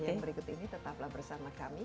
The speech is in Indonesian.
setelah ini berikut ini tetaplah bersama kami